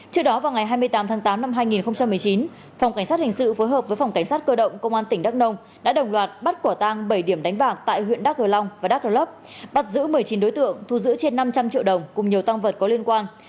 trước đó vào ngày hai mươi tám tháng tám năm hai nghìn một mươi chín phòng cảnh sát hình sự phối hợp với phòng cảnh sát cơ động công an tỉnh đắk nông đã đồng loạt bắt quả tang bảy điểm đánh bạc tại huyện đắk cờ long và đắk rơ lấp bắt giữ một mươi chín đối tượng thu giữ trên năm trăm linh triệu đồng cùng nhiều tăng vật có liên quan